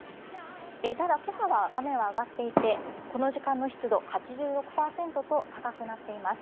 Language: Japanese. ただ、今朝は雨は上がっていて、この時間の湿度８６％と高くなっています。